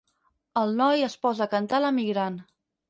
El noi es posa a cantar L'Emigrant.